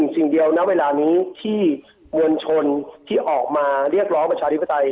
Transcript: สิ่งเดียวณเวลานี้ที่มวลชนที่ออกมาเรียกร้องประชาธิปไตย